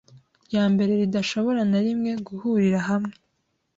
ryambere ridashobora na rimwe guhurira hamwe